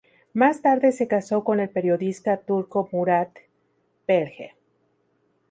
Más tarde se casó con el periodista turco Murat Belge.